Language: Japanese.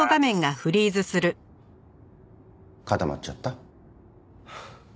固まっちゃった。